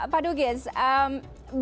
pak dugis bagaimana kemudian